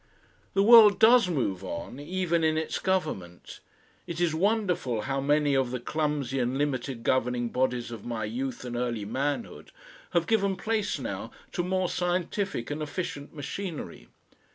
The world does move on, even in its government. It is wonderful how many of the clumsy and limited governing bodies of my youth and early manhood have given place now to more scientific and efficient machinery.